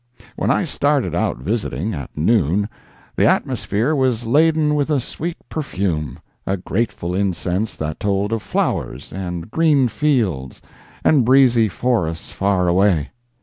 When I started out visiting, at noon, the atmosphere was laden with a sweet perfume—a grateful incense that told of flowers, and green fields, and breezy forests far away.